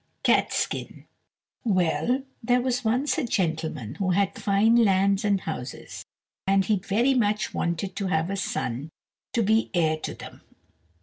Catskin Well, there was once a gentleman who had fine lands and houses, and he very much wanted to have a son to be heir to them.